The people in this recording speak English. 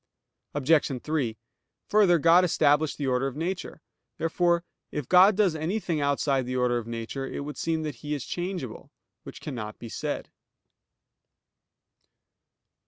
Obj. 3: Further, God established the order of nature. Therefore it God does anything outside the order of nature, it would seem that He is changeable; which cannot be said.